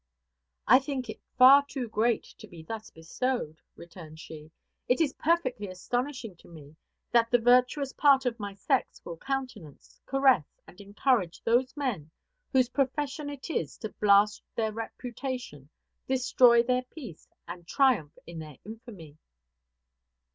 "I think it far too great to be thus bestowed," returned she. "It is perfectly astonishing to me that the virtuous part of my sex will countenance, caress, and encourage those men whose profession it is to blast their reputation, destroy their peace, and triumph in their infamy."